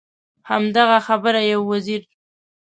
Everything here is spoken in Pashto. همدغه خبره یو وزیر.